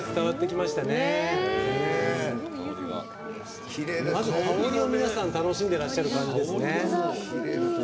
まず香りを皆さん楽しんでらっしゃる感じですね。